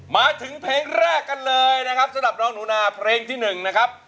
มาถึงเพลงแรกกันเลยนะครับสำหรับน้องหนูนาเพลงที่๑นะครับ